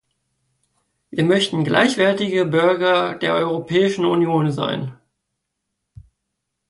Wir möchten gleichwertige Bürger der Europäischen Union sein.